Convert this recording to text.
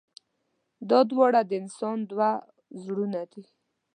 دا دواړه د انسان دوه وزرونه دي.